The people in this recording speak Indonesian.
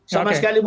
sama sekali bukan